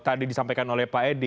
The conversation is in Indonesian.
tadi disampaikan oleh pak edi